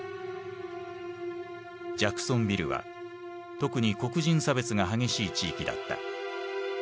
ジャクソンビルは特に黒人差別が激しい地域だった。